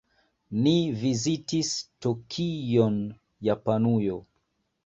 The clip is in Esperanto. Ni vizitis Tokion, Japanujo.